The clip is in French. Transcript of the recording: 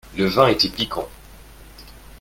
Le vin était piquant.